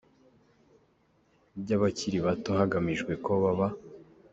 ry’abakiri bato, hagamijwe ko baba.